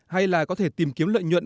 hay là có thể tìm kiếm lợi nhuận